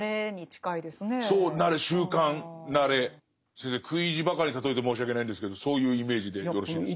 先生食い意地ばかり例えて申し訳ないんですけどそういうイメージでよろしいですか？